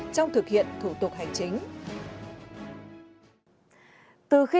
trong thực hiện thủ tục hành chính